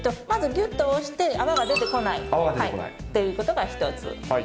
まずぎゅっと押して、泡が出てこないっていうことが１つ。